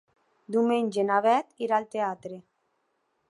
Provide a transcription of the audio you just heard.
Diumenge na Bet irà al teatre.